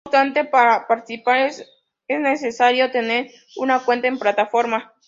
No obstante, para participar es necesario tener una cuenta en la plataforma.